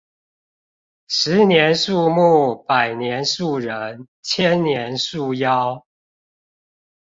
十年樹木，百年樹人，千年樹妖